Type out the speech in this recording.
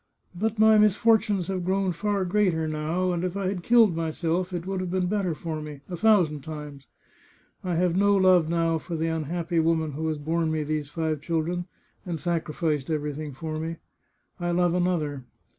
But my misfortunes have grown far greater now, and if I had killed myself it would have been better for me, a thousand times. I have no love, now, for the unhappy woman who has borne me these five children, and sacrificed everything for me. I love another.